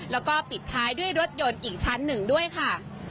แล้วก็ปิดท้ายด้วยรถยนต์อีกชั้นหนึ่งด้วยค่ะ